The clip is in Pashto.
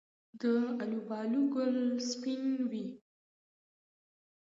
د الوبالو ګل سپین وي؟